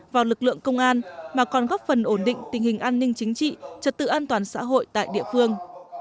vào lực lượng công an mà còn góp phần ổn định tình hình an ninh chính trị trật tự an toàn xã hội tại địa phương